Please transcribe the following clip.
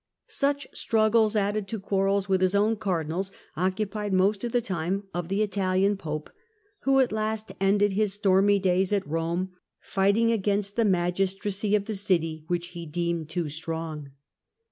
Such struggles, added to quarrels with his own Cardinals, occupied most of the time of the Italian Pope, who at last ended his stormy days at Eome fighting against the magistracy of the city which he deemed too strong.